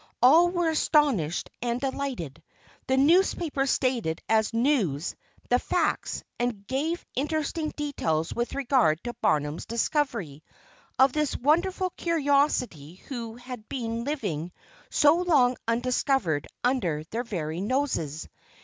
All were astonished and delighted. The newspapers stated as "news" the facts, and gave interesting details with regard to Barnum's "discovery" of this wonderful curiosity who had been living so long undiscovered under their very noses.